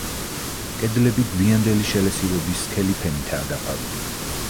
კედლები გვიანდელი შელესილობის სქელი ფენითაა დაფარული.